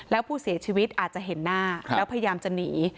แล้วผู้เสียชีวิตอาจจะเห็นหน้าแล้วพยายามจะหนี